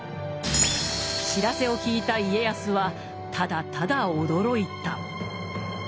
知らせを聞いた家康はただただ驚いた。